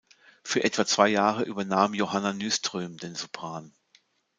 Für etwa zwei Jahre übernahm Johanna Nyström den Sopran.